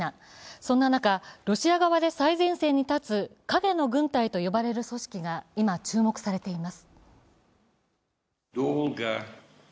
そんな中、ロシア側で最前線に立つ影の軍隊と呼ばれる組織が今、注目されています。